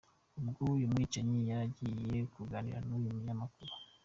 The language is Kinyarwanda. Ubwo uyu mwicanyi yari agiye kuganira n’uyu munyamakuru.